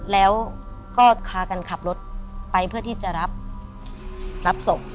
แล้วก็พากันขับรถไปเพื่อที่จะรับศพ